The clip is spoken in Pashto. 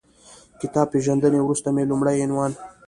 کتاب پېژندنې وروسته مې لومړی عنوان